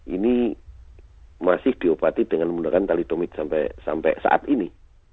ini masih diobati dengan menggunakan talitomid sampai saat ini